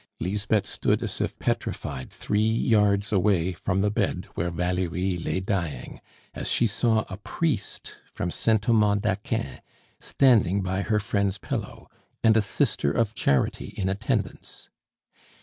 Lisbeth stood as if petrified three yards away from the bed where Valerie lay dying, as she saw a priest from Saint Thomas d'Aquin standing by her friend's pillow, and a sister of charity in attendance.